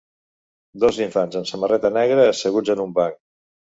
dos infants amb samarreta negra asseguts en un banc